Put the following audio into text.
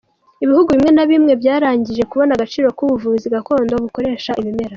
Ibihugu bimwe na bimwe byarangije kubona agaciro k’ubuvuzi gakondo bukoresha ibimera.